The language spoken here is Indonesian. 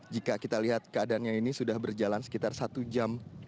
jika kita lihat keadaannya ini sudah berjalan sekitar satu jam